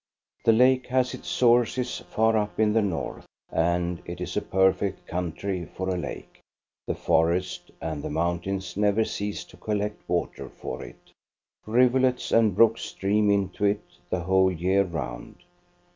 The lake has its sources far up in the north, and it is a perfect country for a lake. The forest and the mountains never cease to collect water for it ; rivulets and brooks stream into it the whole year round.